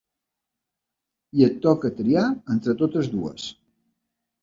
I et troca triar entre totes dues.